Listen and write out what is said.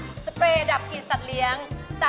สเปรย์ดับกลิ่นสัตว์เลี้ยง